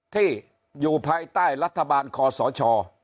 ที่อยู่ภายใต้รัฐบาลคอสช